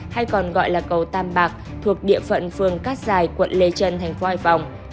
hay còn gọi là cầu tam bạc thuộc địa phận phường cát dài quận lê trân thành phố hải phòng